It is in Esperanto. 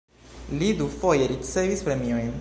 Li dufoje ricevis premiojn.